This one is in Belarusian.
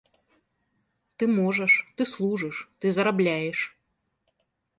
Ты можаш, ты служыш, ты зарабляеш.